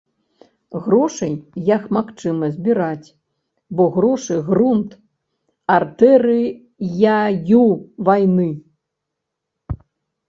Грошай, як магчыма, збіраць, бо грошы грунт артэрыяю вайны.